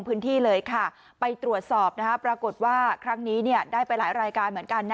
พื้นที่เลยค่ะไปตรวจสอบปรากฏว่าครั้งนี้ได้ไปหลายรายการเหมือนกันนะ